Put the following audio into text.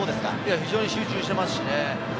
非常に集中しています。